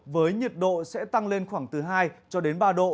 với nhiệt độ sẽ tăng lên khoảng từ hai cho đến ba độ